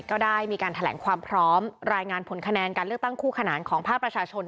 ก็ได้มีการแถลงความพร้อมรายงานผลคะแนนการเลือกตั้งคู่ขนานของภาคประชาชน